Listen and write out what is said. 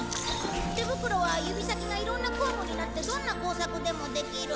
手袋は指先がいろんな工具になってどんな工作でもできる。